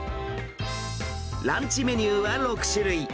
ランチメニューは６種類。